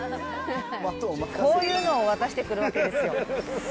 こういうのを渡してくるわけですよ。